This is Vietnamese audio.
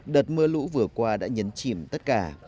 đợt mưa lũ vừa qua đã nhấn chìm tất cả